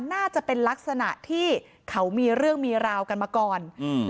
น่าจะเป็นลักษณะที่เขามีเรื่องมีราวกันมาก่อนอืม